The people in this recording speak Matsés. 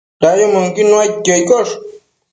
Dayumënquid nuaidquio iccosh